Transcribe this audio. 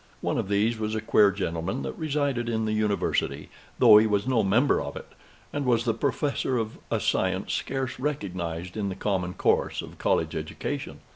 One of these was a queer gentleman that resided in the University, though he was no member of it, and was the professor of a science scarce recognized in the common course of college education.